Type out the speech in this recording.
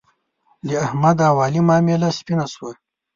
د احمد او علي معامله سپینه شوه.